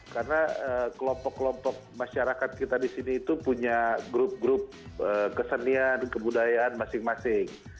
karena kelompok kelompok masyarakat kita di sini itu punya grup grup kesenian kebudayaan masing masing